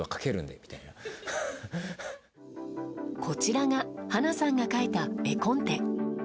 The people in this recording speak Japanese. こちらが華さんが描いた絵コンテ。